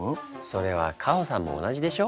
それはカホさんも同じでしょ。